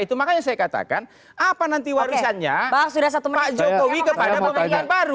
itu makanya saya katakan apa nanti warisannya pak jokowi kepada pemerintahan baru